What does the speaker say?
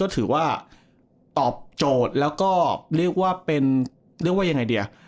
ถือว่าตอบโจทย์แล้วก็เรียกว่าเป็นเรียกว่ายังไงดี